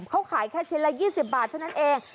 เขาขายแค่ชิ้นละ๒๐บาทเท่านั้นเอง